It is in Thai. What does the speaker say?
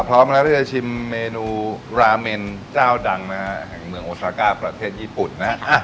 พร้อมแล้วที่จะชิมเมนูราเมนเจ้าดังนะฮะแห่งเมืองโอซาก้าประเทศญี่ปุ่นนะฮะ